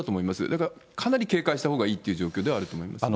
だから、かなり警戒したほうがいいという状況だと思いますね。